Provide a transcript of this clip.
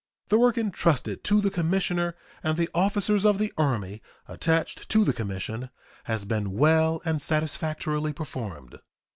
The work intrusted to the commissioner and the officers of the Army attached to the commission has been well and satisfactorily performed.